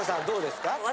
どうですか？